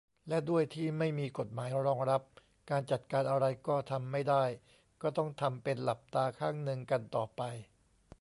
และด้วยที่ไม่มีกฎหมายรองรับ การจัดการอะไรก็ทำไม่ได้ ก็ต้องทำเป็นหลับตาข้างนึงกันต่อไป